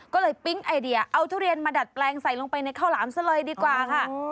ก็เลยปิ๊งไอเดียเอาทุเรียนมาดัดแปลงใส่ลงไปในข้าวหลามซะเลยดีกว่าค่ะ